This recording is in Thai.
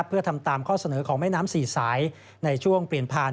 เพื่อทำตามข้อเสนอของแม่น้ำสี่สายในช่วงเปลี่ยนผ่าน